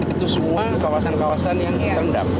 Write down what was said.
itu semua kawasan kawasan yang terendam